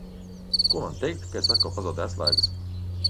Ko man teikt, ka es atkal pazaudēju atslēgas?